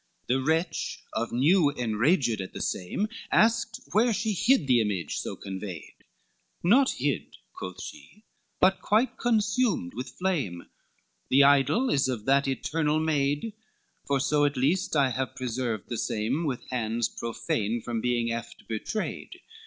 XXIV The wretch of new enraged at the same, Asked where she hid the image so conveyed: "Not hid," quoth she, "but quite consumed with flame, The idol is of that eternal maid, For so at least I have preserved the same, With hands profane from being eft betrayed.